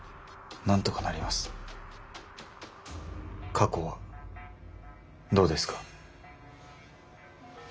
過去はどうですか。